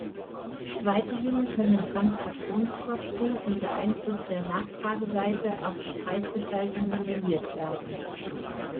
Weiterhin können Transaktionskosten und der Einfluss der Nachfrageseite auf die Preisgestaltung modelliert werden.